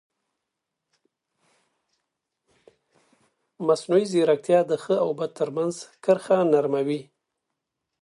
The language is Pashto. مصنوعي ځیرکتیا د ښه او بد ترمنځ کرښه نرمه کوي.